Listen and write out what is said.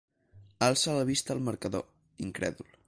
Alça la vista al marcador, incrèdul.